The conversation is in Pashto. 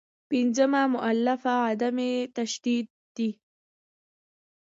پنځمه مولفه عدم تشدد دی.